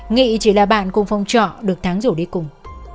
nghị chỉ là bạn cùng phong trọ được tháng rủ đi cùng